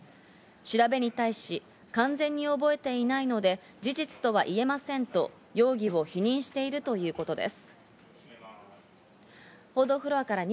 調べに対し、完全に覚えていないので事実とは言えませんと容疑を否認しているということです。